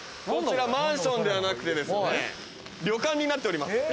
こちらマンションではなくてですね、旅館になっております。